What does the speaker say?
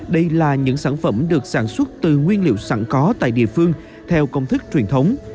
đây là những sản phẩm được sản xuất từ nguyên liệu sẵn có tại địa phương theo công thức truyền thống